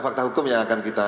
fakta hukum yang akan kita